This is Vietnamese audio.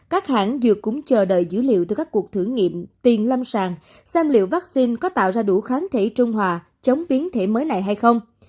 các hãng dược cũng chờ đợi dữ liệu từ các cuộc thử nghiệm tiền lâm sàng xem liệu vaccine có tạo ra đủ kháng thể trung hòa chống biến thể mới này hay không